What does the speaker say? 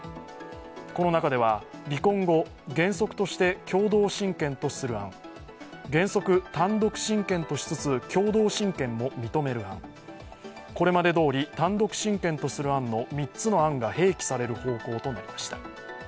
この中では離婚後、原則として共同親権とする案、原則、単独親権としつつ共同親権も認める案、これまでどおり単独親権とする案の３つの案が併記される方向となりました。